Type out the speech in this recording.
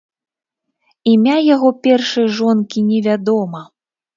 Імя яго першай жонкі невядома.